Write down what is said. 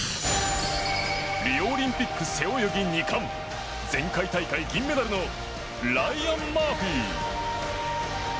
リオオリンピック背泳ぎ２冠前回大会、銀メダルのライアン・マーフィー。